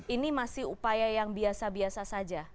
ini masih upaya yang biasa biasa saja